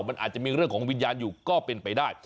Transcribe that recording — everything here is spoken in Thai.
มันอาจจะมีเรื่องของวิญญาณอยู่ก็เป็นไปได้